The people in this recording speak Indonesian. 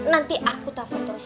nanti aku telfon terus